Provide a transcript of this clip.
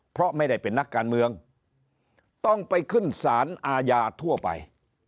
เพราะไม่ได้เป็นนักการเมืองต้องไปขึ้นสารอาญาทั่วไป